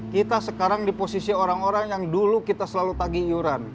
kita sekarang di posisi orang orang yang dulu kita selalu tagi iuran